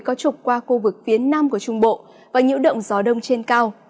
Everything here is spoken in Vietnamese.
có trục qua khu vực phía nam của trung bộ và nhiễu động gió đông trên cao